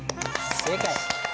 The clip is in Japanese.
正解！